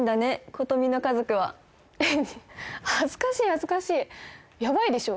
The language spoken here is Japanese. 琴美の家族は恥ずかしい恥ずかしいヤバいでしょ